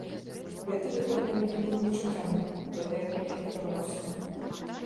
Гэты выхад для мяне быў нечаканы, я да яго не рыхтаваўся.